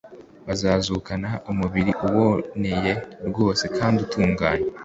bazazukana umubiri uboncye rwose kandi utunganye,